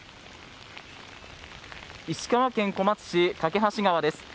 石川県小松市梯川です。